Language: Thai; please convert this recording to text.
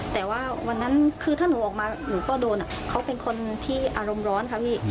แต่ว่าวันนั้นคือถ้าหนูออกมาหนูก็โดนเขาเป็นคนที่อารมณ์ร้อนค่ะพี่